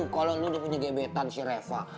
kalo lu udah punya gebetan si refah